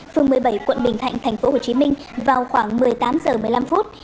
phường một mươi bảy quận bình thạnh thành phố hồ chí minh vào khoảng một mươi tám giờ một mươi năm phút